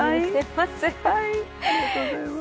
ありがとうございます。